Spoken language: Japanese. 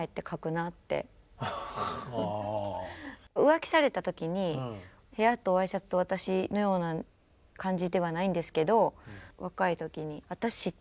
浮気された時に「部屋とＹシャツと私」のような感じではないんですけどハハハ